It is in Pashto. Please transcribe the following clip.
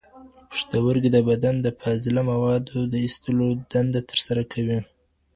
پښتورګي د بدن د فاضله موادو د ایستلو دنده ترسره کوي.